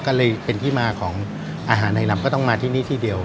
ก็เลยเป็นที่มาของอาหารในลำก็ต้องมาที่นี่ที่เดียว